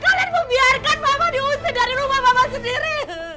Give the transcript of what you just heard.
kalian membiarkan mama diusir dari rumah mama sendiri